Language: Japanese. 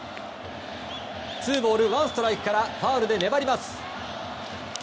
ツーボールワンストライクからファウルで粘ります。